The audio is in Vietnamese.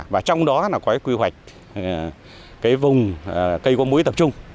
và trong đó có quy hoạch vùng cây có múi tập trung